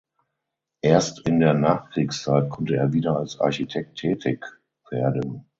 Erst in der Nachkriegszeit konnte er wieder als Architekt tätig werden.